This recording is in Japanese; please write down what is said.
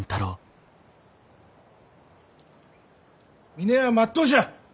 峰屋はまっとうじゃ！